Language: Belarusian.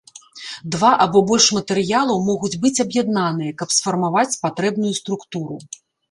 Два або больш матэрыялаў могуць быць аб'яднаныя, каб сфармаваць патрэбную структуру.